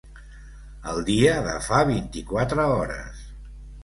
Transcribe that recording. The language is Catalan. El dia de fa vint-i-quatre hores.